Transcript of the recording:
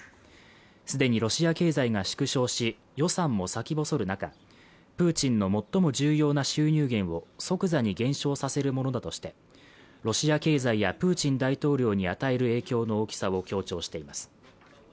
すでにロシア経済が縮小し予算も先細る中プーチンの最も重要な収入源を即座に減少させるものだとしてロシア経済やプーチン大統領に与える影響の大きさを強調しています